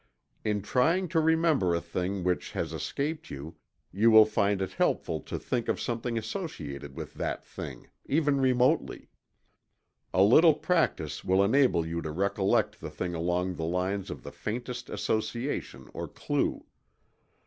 In trying to remember a thing which has escaped you, you will find it helpful to think of something associated with that thing, even remotely. A little practice will enable you to recollect the thing along the lines of the faintest association or clue.